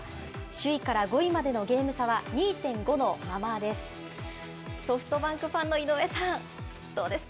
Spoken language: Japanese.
首位から５位までのゲーム差は２．５のままです。